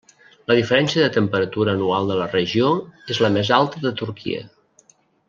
La diferència de temperatura anual de la regió és la més alta de Turquia.